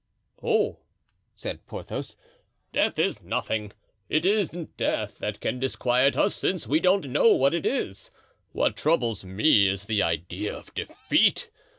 "Oh," said Porthos, "death is nothing: it isn't death that can disquiet us, since we don't know what it is. What troubles me is the idea of defeat.